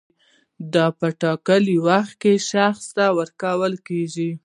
دا په ټاکلي وخت کې شخص ته ورکول کیږي.